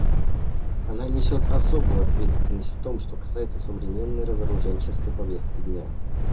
Она несет особую ответственность в том, что касается современной разоруженческой повестки дня.